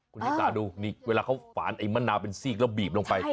คุณชิสาดูนี่เวลาเขาฝานไอ้มะนาวเป็นซีกแล้วบีบลงไป